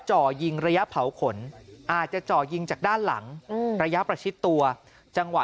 จ่อยิงระยะเผาขนอาจจะจ่อยิงจากด้านหลังระยะประชิดตัวจังหวะ